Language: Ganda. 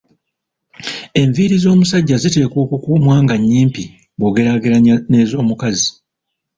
Enviiri z’omusajja ziteekwa okukuumwa nga nnyimpi bw’ogerageranya n’ezomukazi.